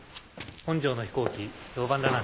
本庄の飛行機評判だな。